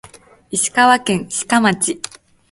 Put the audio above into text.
石川県志賀町